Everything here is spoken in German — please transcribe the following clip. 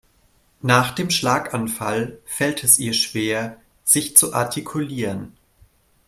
Nach dem Schlaganfall fällt es ihr schwer sich zu artikulieren.